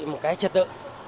một cái trật tự